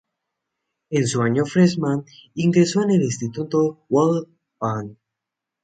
En su año freshman ingresó en el Instituto Woodlawn.